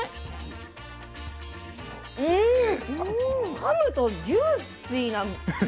かむとジュースィーなね。